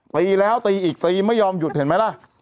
ตีแล้วตีอีกตีไม่ยอมหยุดเห็นไหมล่ะ